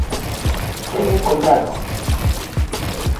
¡Teñan coidado!